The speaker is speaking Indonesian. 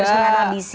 harus beran abisi